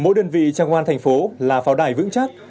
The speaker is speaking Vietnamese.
mỗi đơn vị trang hoan tp là pháo đài vững chắc